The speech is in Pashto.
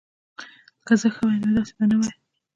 که زه ښه وای نو داسی به نه وای